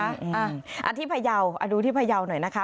อ่าที่พยาวดูที่พยาวหน่อยนะคะ